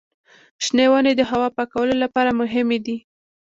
شنې ونې د هوا پاکولو لپاره مهمې دي.